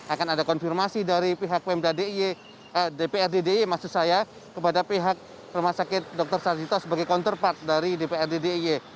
akan ada konfirmasi dari pihak pemda d i dprd diy maksud saya kepada pihak rumah sakit dr sarjito sebagai counterpart dari dprd diy